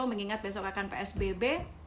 mengingat besok akan psbb